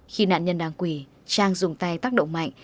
khi nạn nhân đang quỳ trang dùng tay tác động mạnh